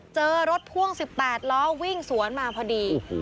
เจอรถพ่วง๑๘ล้อวิ่งสวนมาพอดี